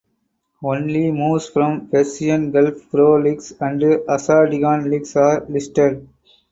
Only moves from Persian Gulf Pro League and Azadegan League are listed.